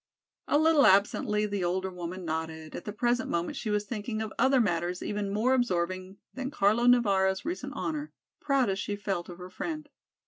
A little absently the older woman nodded, at the present moment she was thinking of other matters even more absorbing than Carlo Navara's recent honor, proud as she felt of her friend.